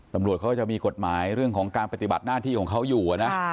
ตำรวจเขาก็จะมีกฎหมายเรื่องของการปฏิบัติหน้าที่ของเขาอยู่นะ